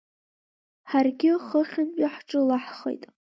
Ҳаргьы хыхьынтәи ҳҿылаҳхеит.